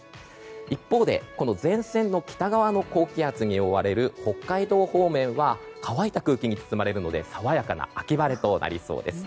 一方で、この前線の北側の高気圧に覆われる北海道方面は乾いた空気に包まれるので爽やかな秋晴れとなりそうです。